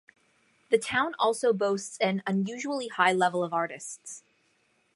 The town also boasts an unusually high level of artists.